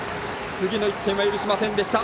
次の１点は許しませんでした。